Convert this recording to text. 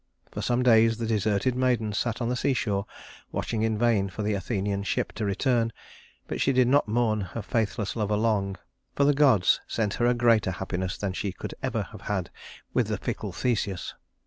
For some days the deserted maiden sat on the seashore watching in vain for the Athenian ship to return; but she did not mourn her faithless lover long, for the gods sent her a greater happiness than she could ever have had with the fickle Theseus.